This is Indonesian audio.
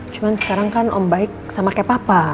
cuman sekarang kan om baik sama kayak papa